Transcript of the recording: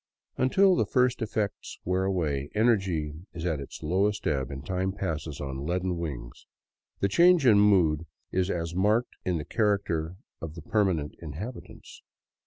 Until the first effects wear away, energy is at its lowest ebb and time passes on leaden wings. The change in mood is as marked as in the character of the permanent inhabitants.